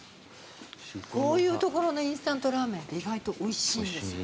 こういう所のインスタントラーメンって意外とおいしいんですよ。